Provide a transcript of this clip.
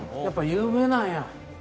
やっぱ有名なんや。